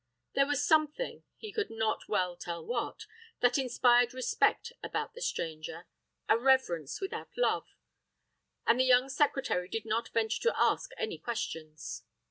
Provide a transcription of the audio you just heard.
There was a something, he could not well tell what, that inspired respect about the stranger a reverence without love; and the young secretary did not venture to ask any questions.